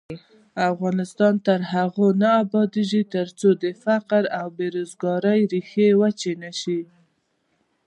افغانستان تر هغو نه ابادیږي، ترڅو د فقر او بې روزګارۍ ریښې وچې نشي.